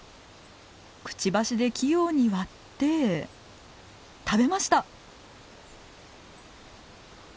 くちばしで器用に割って食べました！